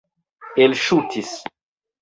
elŝutis